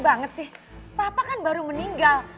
banget sih papa kan baru meninggal